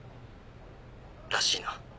らしいな。